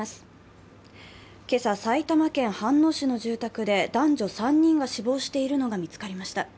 今朝、埼玉県飯能市の住宅で男女３人が死亡しているのが見つかりました。